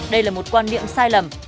đây là một quan niệm sai lầm